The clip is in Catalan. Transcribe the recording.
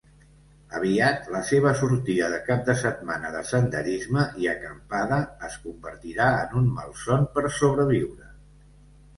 Aviat la seva sortida de cap de setmana de senderisme i acampada es convertirà en un malson per sobreviure.